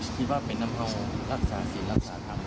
คิดว่าเป็นนำเราลักษณะสิน